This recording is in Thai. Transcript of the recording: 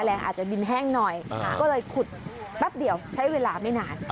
อาจจะดินแห้งหน่อยก็เลยขุดแป๊บเดียวใช้เวลาไม่นาน